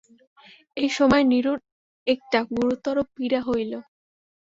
এই সময়ে নিরুর একটা গুরুতর পীড়া হইল।